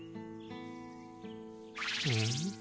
うん？